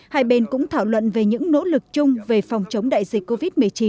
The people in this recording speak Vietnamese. hai bên cũng thảo luận về những nỗ lực chung về phòng chống đại dịch covid một mươi chín